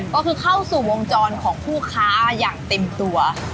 ก็คือเข้าสู่วงจรของผู้ค้าอย่างเต็มตัว